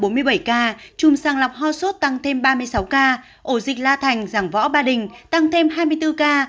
trùm sàng lọc ho sốt tăng thêm ba mươi sáu ca ổ dịch la thành giảng võ ba đình tăng thêm hai mươi bốn ca